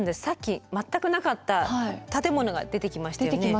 さっき全くなかった建物が出てきましたよね。